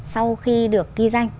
sau khi được ghi danh